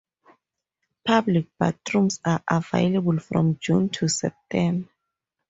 Public bathrooms are available from June to September.